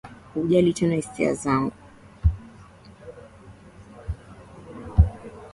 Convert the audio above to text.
hujali tena hisia zangu